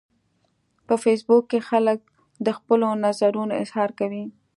په فېسبوک کې خلک د خپلو نظرونو اظهار کوي